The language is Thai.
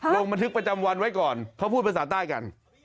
ลงบันทึกประจำวันไว้ก่อนเขาพูดภาษาใต้กัน